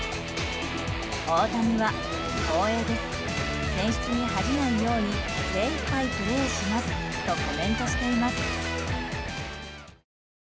大谷は、光栄です選出に恥じないように精いっぱいプレーしますとコメントしています。